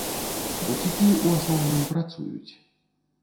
Буцікі, у асноўным, працуюць.